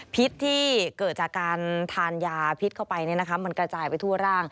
พิษที่เกิดจากการทานยาพิษเข้าไปมันกระจายไปทั่วร่าง